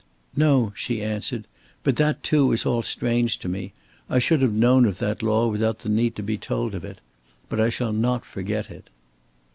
"No," she answered. "But that, too, is all strange to me. I should have known of that law without the need to be told of it. But I shall not forget it."